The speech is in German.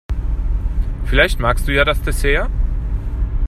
Vielleicht magst du ja das Dessert?